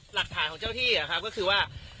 หลักฐานของเจ้าที่ก็คือว่า